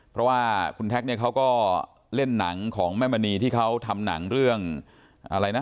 เพราะว่าคุณแท็กเนี่ยเขาก็เล่นหนังของแม่มณีที่เขาทำหนังเรื่องอะไรนะ